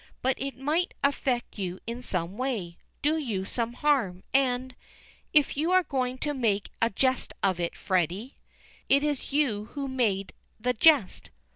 "But it might affect you in some way, do you some harm, and " "If you are going to make a jest of it, Freddy " "It is you who have made the jest.